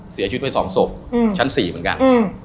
เสียชุดไว้๒ศพชั้น๔เหมือนกัน